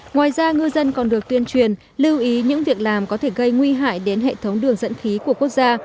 ngoài ra ngư dân còn được tuyên truyền lưu ý những việc làm có thể gây nguy hại đến hệ thống đường dẫn khí của quốc gia